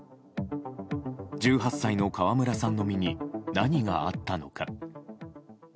１８歳の川村さんの身に何があったのか。